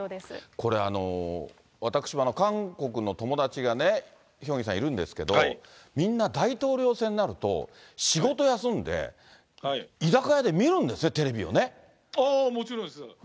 これ、私も韓国の友達がヒョンギさん、いるんですけど、みんな大統領選になると、仕事休んで居酒屋で見るんですね、テレビをね。もちろんです。